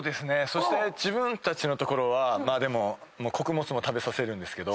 そして自分たちの所は穀物も食べさせるんですけど。